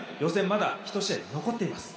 まだ１試合残っています。